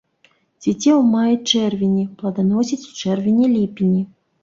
Цвіце ў маі-чэрвені, пладаносіць у чэрвені-ліпені.